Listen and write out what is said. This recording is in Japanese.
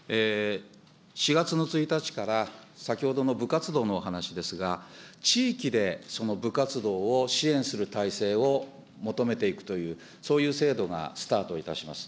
４月の１日から先ほどの部活動のお話ですが、地域でその部活動を支援する体制を求めていくという、そういう制度がスタートいたします。